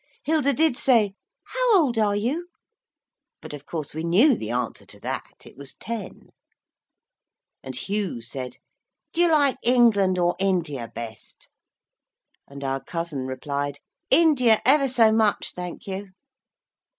Hilda did say, 'How old are you?' but, of course, we knew the answer to that. It was ten. And Hugh said, 'Do you like England or India best?' And our cousin replied, 'India ever so much, thank you.'